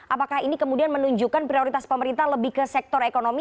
apakah ini kemudian menunjukkan prioritas pemerintah lebih ke sektor ekonomi